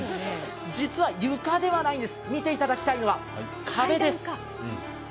実は床ではないんです、見ていただきたいのは壁です。